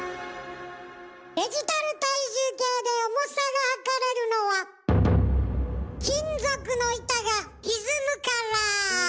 デジタル体重計で重さがはかれるのは金属の板がひずむから。